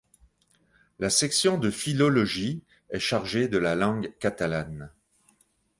La section de philologie est chargée de la langue catalane.